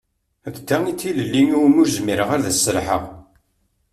D ta i d tilelli iwumi ur zmireɣ ad as-serḥeɣ.